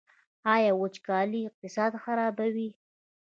آیا وچکالي اقتصاد خرابوي؟